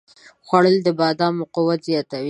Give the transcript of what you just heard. خوړل د بادامو قوت زیاتوي